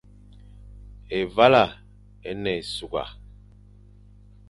Évala é ne ésughga.